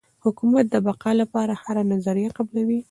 حکومت د بقا لپاره هره نظریه قبلوي.